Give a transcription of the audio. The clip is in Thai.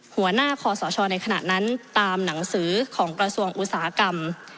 หัวหน้าคอสชในขณะนั้นตามหนังสือของกระทรวงอุตสาหกรรม